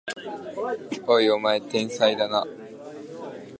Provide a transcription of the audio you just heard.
おい、お前天才だな！